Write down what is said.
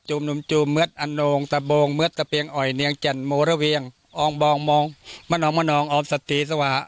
จุเมิดอโนงตะโบงเม็ดตะเปียงอ่อยเนียงเจนโมเราเวียงอองบองมองมะนองมะนองออบสัทธีสวะ